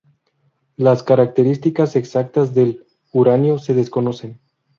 Las características exactas del uranio se desconocen.